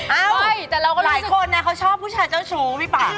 อ้าวหลายคนนะเขาชอบผู้ชายเจ้าชู้พี่ปัง